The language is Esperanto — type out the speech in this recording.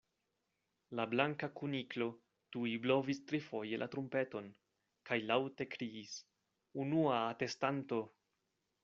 La Blanka Kuniklo tuj blovis trifoje la trumpeton, kaj laŭte kriis:"Unua atestanto!"